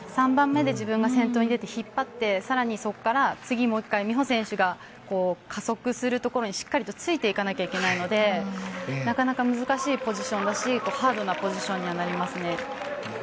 ３番目で自分が先頭に出て引っ張って更にそこからもう１回美帆選手が加速するところにしっかりついていかないといけないのでなかなか難しいポジションだしハードなポジションになりますね。